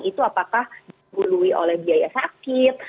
itu apakah dibului oleh biaya sakit